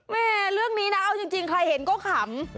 แม่เรื่องนี้นะเอาจริงใครเห็นก็ขำ